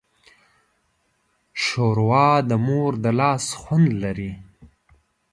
ښوروا د مور د لاس خوند لري.